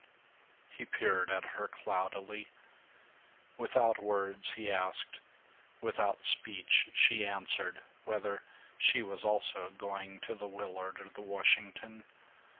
He peered at her cloudily. Without words he asked, without speech she answered, whether she was also going to the Willard or the Washington.